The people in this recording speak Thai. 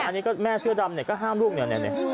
อันนี้แม่เสื้อดำก็ห้ามลูกนี่